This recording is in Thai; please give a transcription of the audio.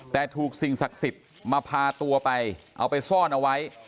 แต่ถูกสิ่งศักดิ์สิทธิ์มาพาตัวไปเอาไปซ่อนเอาไว้